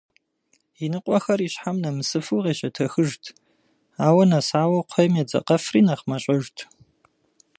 Иныкъуэхэр ищхьэм нэмысыфу къещэтэхыжт, абы нэсауэ кхъуейм едзакъэфри нэхъ мащӀэжт.